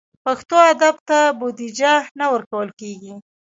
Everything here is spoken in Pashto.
پښتو ادب ته بودیجه نه ورکول کېږي.